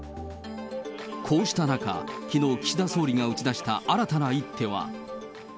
こうした中、きのう、岸田総理が打ち出した新たな一手は。